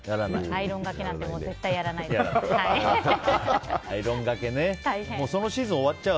アイロンがけなんて絶対やらないです。